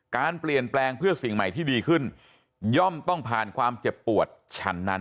การเปลี่ยนแปลงเพื่อสิ่งใหม่ที่ดีขึ้นย่อมต้องผ่านความเจ็บปวดฉันนั้น